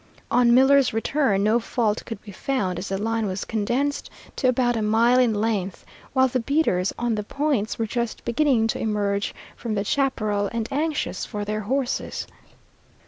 On Miller's return, no fault could be found, as the line was condensed to about a mile in length, while the beaters on the points were just beginning to emerge from the chaparral and anxious for their horses.